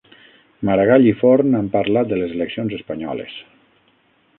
Maragall i Forn han parlat de les eleccions espanyoles